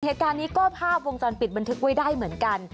เหตุการณ์นี้ก็ภาพวงจรปิดบันทึกไว้ได้เหมือนกัน